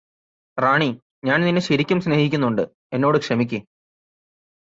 റാണി ഞാന് നിന്നെ ശരിക്കും സ്നേഹിക്കുന്നുണ്ട് എന്നോട് ക്ഷമിക്ക്